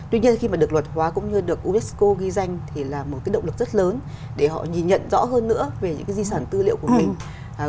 tuy nhiên khi mà được luật hóa cũng như được unesco ghi danh thì là một cái động lực rất lớn để họ nhìn nhận rõ hơn nữa về những cái di sản tư liệu của mình